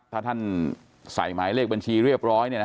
ถ้าท่านใส่หมายเลขบัญชีเรียบร้อย